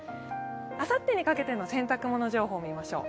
あさってにかけての洗濯物情報を見ましょう。